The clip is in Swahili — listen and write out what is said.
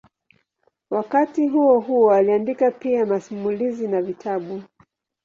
Wakati huohuo aliandika pia masimulizi na vitabu.